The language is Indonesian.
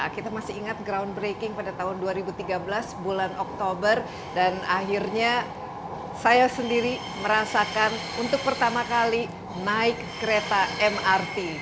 kita masih ingat groundbreaking pada tahun dua ribu tiga belas bulan oktober dan akhirnya saya sendiri merasakan untuk pertama kali naik kereta mrt